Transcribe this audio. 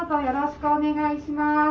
よろしくお願いします。